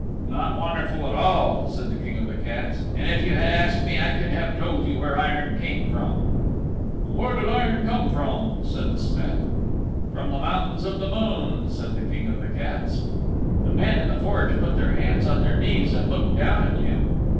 "Not wonderful at all," said the King of the Cats, "and if you had asked me I could have told you where iron came from." "And where did iron come from?" said the Smith. "From the Mountains of the Moon," said the King of the Cats. The men in the Forge put their hands on their knees and looked down at him.